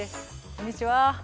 こんにちは。